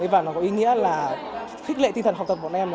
và nó có ý nghĩa là khích lệ tinh thần học tập của bọn em